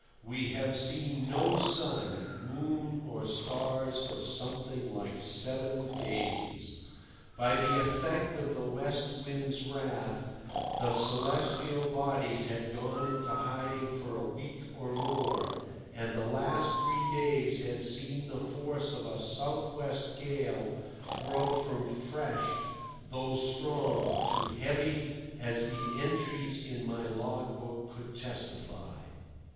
We have seen no sun, moon, or stars for something like seven days. By the effect of the West Wind's wrath the celestial bodies had gone into hiding for a week or more, and the last three days had seen the force of a south west gale grow from fresh, through strong, to heavy, as the entries in my log book could testify.